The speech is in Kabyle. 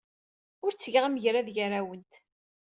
Ur ttgeɣ amgerrad gar-awent.